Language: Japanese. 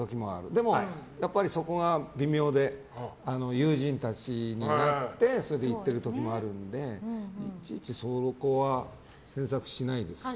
でも、そこが微妙で友人たちと会ってそれで行っている時もあるのでいちいちそこは詮索しないですね。